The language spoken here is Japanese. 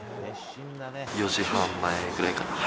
４時半前ぐらいから。